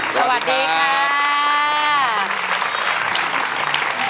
สวัสดีค่ะ